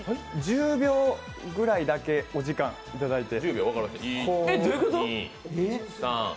１０秒ぐらいだけ、お時間いただいて。